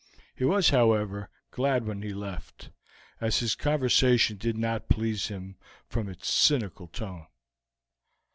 He was, however, glad when he left, as his conversation did not please him from its cynical tone.